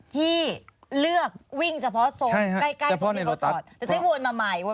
ที่เลือกวิ่งเฉพาะโซล